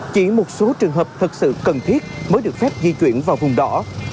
chỉ một số trường hợp thật sự cần thiết mới được phép di chuyển vào vùng đỏ